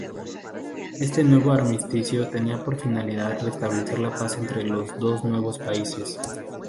Este nuevo armisticio tenía por finalidad restablecer la paz entre los dos nuevos países.